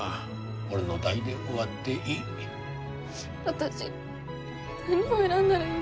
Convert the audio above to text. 私何を選んだらいいの？